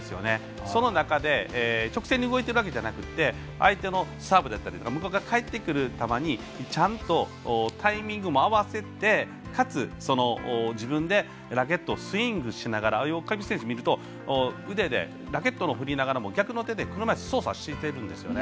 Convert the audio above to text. その中で、直線に動いているわけじゃなくて相手のサーブだったり向こうから返ってくる球にちゃんとタイミングも合わせてかつ自分でラケットをスイングしながら上地選手を見ると腕でラケットを振りながらも逆の手で操作しているんですね。